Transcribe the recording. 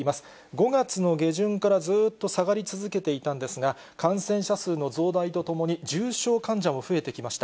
５月の下旬からずっと下がり続けていたんですが、感染者数の増大とともに、重症患者も増えてきました。